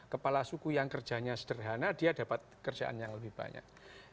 kepala suku yang kerjanya sederhana dia dapat kerjaan yang lebih banyak